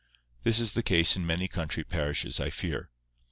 This is the case in many country parishes, I fear.